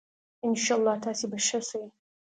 ان شاءاللّه تاسي به ښه سئ